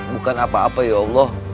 bukan apa apa ya allah